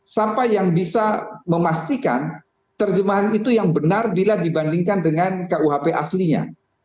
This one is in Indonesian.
siapa yang bisa memastikan terjemahan itu yang benar bila dibandingkan dengan kuhp aslinya